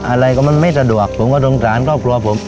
อะไรก็มันไม้สะดวกผมก็ดงต่างเกาะปลอม